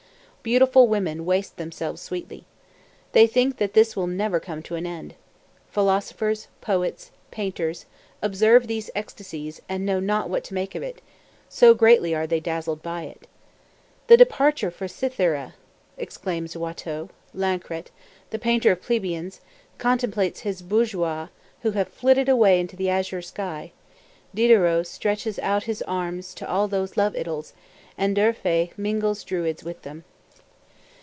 Beautiful women waste themselves sweetly. They think that this will never come to an end. Philosophers, poets, painters, observe these ecstasies and know not what to make of it, so greatly are they dazzled by it. The departure for Cythera! exclaims Watteau; Lancret, the painter of plebeians, contemplates his bourgeois, who have flitted away into the azure sky; Diderot stretches out his arms to all these love idyls, and d'Urfé mingles druids with them.